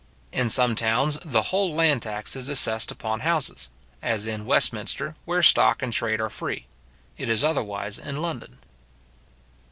In some towns, the whole land tax is assessed upon houses; as in Westminster, where stock and trade are free. It is otherwise in London.